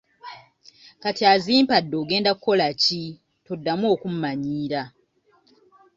Kati azimpadde ogenda kukola ki, toddamu okummannyiira.